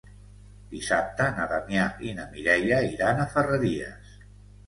Dissabte na Damià i na Mireia iran a Ferreries.